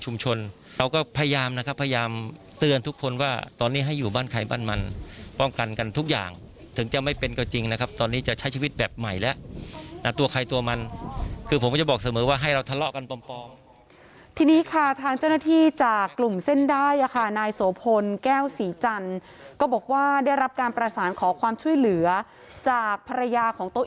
เราก็พยายามนะครับพยายามเตือนทุกคนว่าตอนนี้ให้อยู่บ้านใครบ้านมันป้องกันกันทุกอย่างถึงจะไม่เป็นก็จริงนะครับตอนนี้จะใช้ชีวิตแบบใหม่แล้วนะตัวใครตัวมันคือผมก็จะบอกเสมอว่าให้เราทะเลาะกันปลอมปลอมทีนี้ค่ะทางเจ้าหน้าที่จากกลุ่มเส้นได้อ่ะค่ะนายโสพลแก้วศรีจันทร์ก็บอกว่าได้รับการประสานขอความช่วยเหลือจากภรรยาของโต๊